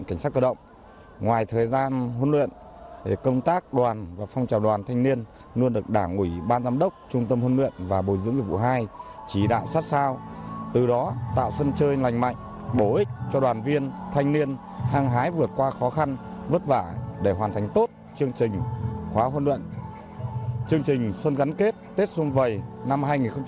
khóa huấn luyện chương trình xuân gắn kết tết xuân vầy năm hai nghìn hai mươi bốn